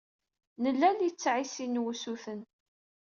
Nla littseɛ i sin n wusuten.